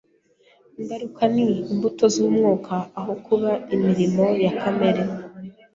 Ingaruka ni imbuto z'Umwuka aho kuba imirimo ya kamere